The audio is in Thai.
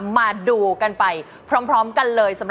มาดูกันไปพร้อมกันเลย